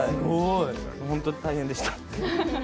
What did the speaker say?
本当大変でした。